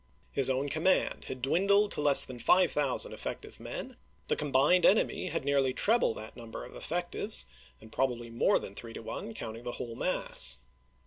His own command had dwindled to less than five thousand effective men ; the combined enemy had nearly treble that number of effectives, and probably more than three to one, counting the whole mass.